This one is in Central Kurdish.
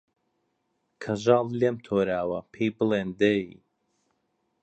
کەژاڵ لێم تۆراوە پێی بڵێن دەی